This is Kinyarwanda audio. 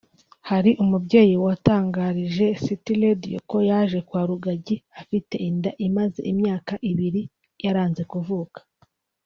Hari umubyeyi watangarije City Radio ko yaje kwa Rugagi afite inda imaze imyaka ibiri yaranze kuvuka